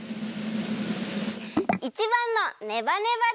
１ばんのネバネバでした！